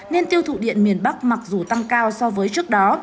nên tiêu thụ điện miền bắc mặc dù tăng cao so với trước đó